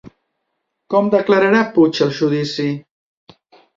Com declararà Puig al judici?